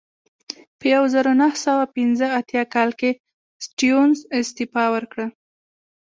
په یوه زرو نهه سوه پنځه اتیا کال کې سټیونز استعفا ورکړه.